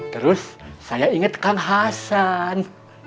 terus saya inget kang hasan